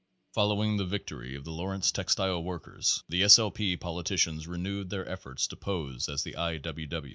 Following the victory of the Lawrence Textile work ers the S. L. P. politicians renewed their efforts to pose as the I.